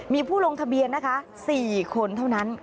มีผู้ลงทะเบียนนะคะ๔คนเท่านั้น